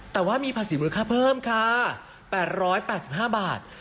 แต่ว่ามีภาษีมูลค่าเพิ่มค่ะ๘๘๕บาท